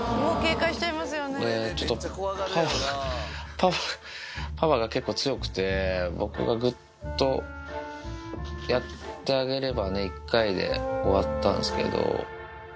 これ、ちょっとパワーが、パワーが結構強くて、僕がぐっとやってあげればね、１回で終わったんすけど。